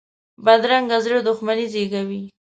بدرنګه زړه دښمني زېږوي